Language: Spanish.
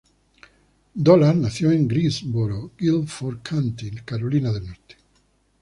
Dollar nació en Greensboro, Guilford County, Carolina del norte.